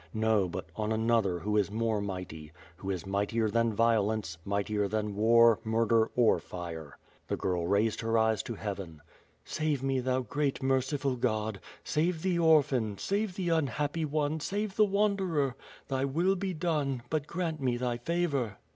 No; but on another who is more mighty, who is mightier than violence, mightier than war, murder, or fire. The girl raised her eyes to Heaven: Save me thou great, merciful God, save the orphan, save the unhappy one, save the wanderer! Thy will be done, but grant me thy favor."